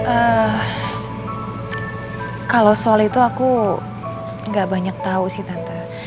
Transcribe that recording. eh kalau soal itu aku gak banyak tau sih tante